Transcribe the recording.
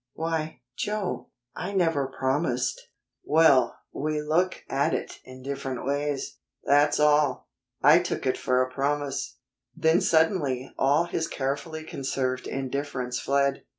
Why, Joe, I never promised." "Well, we look at it in different ways; that's all. I took it for a promise." Then suddenly all his carefully conserved indifference fled.